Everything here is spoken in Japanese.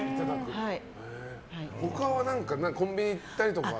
他は何かコンビニ行ったりとかは？